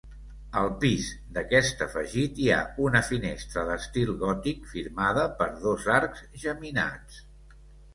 Al pis d'aquest afegit hi ha una finestra d'estil gòtic firmada per dos arcs geminats.